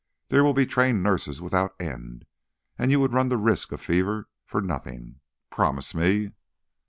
There will be trained nurses without end, and you would run the risk of fever for nothing. Promise me."